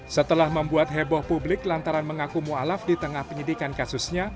setelah membuat heboh publik lantaran mengaku mu'alaf di tengah penyidikan kasusnya